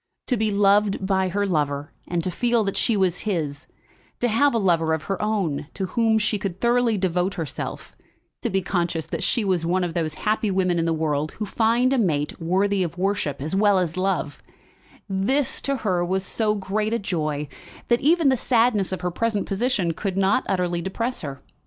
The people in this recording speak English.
To be loved by her lover, and to feel that she was his, to have a lover of her own to whom she could thoroughly devote herself, to be conscious that she was one of those happy women in the world who find a mate worthy of worship as well as love, this to her was so great a joy that even the sadness of her present position could not utterly depress her.